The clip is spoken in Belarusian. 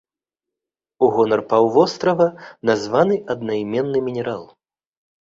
У гонар паўвострава названы аднайменны мінерал.